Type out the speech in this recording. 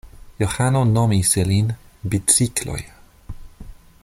Johano nomis ilin bicikloj.